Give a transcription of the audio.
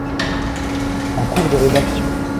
En cours de rédaction...